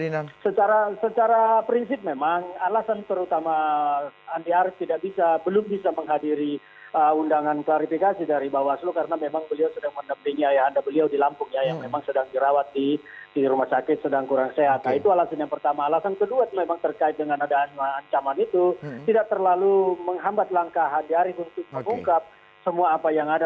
untuk menghambat langkah andi arief untuk mengungkap semua apa yang ada